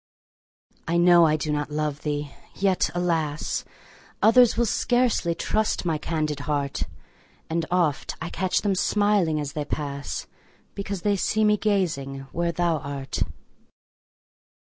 I know I do not love thee! yet, alas! Others will scarcely trust my candid heart; And oft I catch them smiling as they pass, Because they see me gazing where thou art.